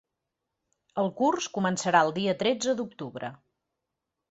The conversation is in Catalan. El curs començarà el dia tretze d’octubre.